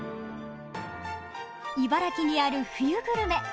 茨城にある冬グルメ。